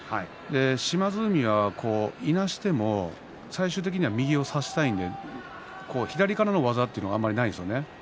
島津海がいなしても最終的には右を差したいので左からの技というのがあまりないですね。